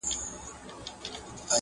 دا صفت مي په صفاتو کي د باز دی.